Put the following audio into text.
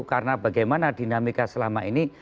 karena bagaimana dinamika selama ini